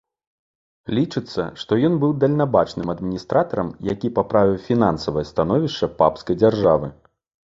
Лічыцца, што ён быў дальнабачным адміністратарам, які паправіў фінансавае становішча папскай дзяржавы.